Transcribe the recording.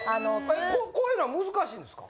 こういうのは難しいんですか？